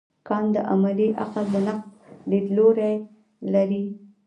کانټ د عملي عقل د نقد لیدلوری لري.